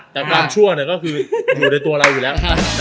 แต่บางช่วงก็คืออยู่ในตัวเราอยู่แล้ว